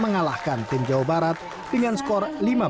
menang mengalahkan tim jawa barat dengan skor lima belas sebelas